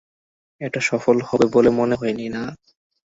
এটা সফল হবে বলে মনে হয়নি, না?